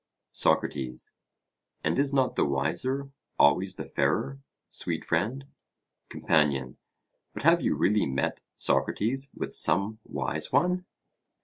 SOCRATES: And is not the wiser always the fairer, sweet friend? COMPANION: But have you really met, Socrates, with some wise one?